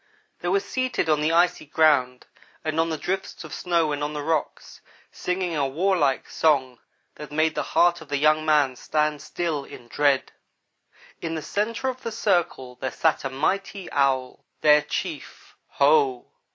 They were seated on the icy ground and on the drifts of snow and on the rocks, singing a warlike song that made the heart of the young man stand still, in dread. In the centre of the circle there sat a mighty Owl their chief. Ho!